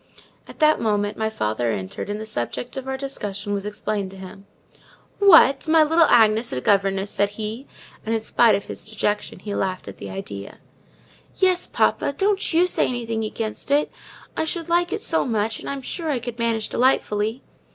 At that moment my father entered and the subject of our discussion was explained to him. "What, my little Agnes a governess!" cried he, and, in spite of his dejection, he laughed at the idea. "Yes, papa, don't you say anything against it: I should like it so much; and I am sure I could manage delightfully."